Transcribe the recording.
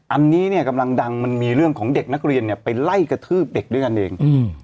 อันนี้เนี่ยกำลังดังมันมีเรื่องของเด็กนักเรียนเนี่ยไปไล่กระทืบเด็กด้วยกันเอง